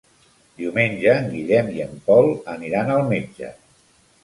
Diumenge en Guillem i en Pol aniran al metge.